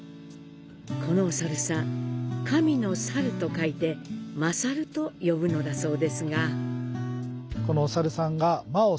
このお猿さん、「神」の「猿」と書いて「まさる」と呼ぶのだそうですが。